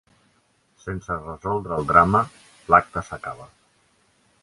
Sense resoldre el drama, l'acte s'acaba.